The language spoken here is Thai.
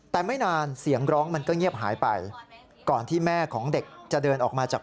แต่ไม่นานเสียงร้องมันก็เงียบหายไปก่อนที่แม่ของเด็กจะเดินออกมาจาก